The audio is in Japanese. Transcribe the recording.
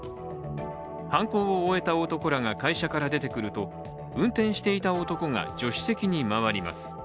犯行を終えた男らが会社から出てくると運転していた男が助手席に回ります。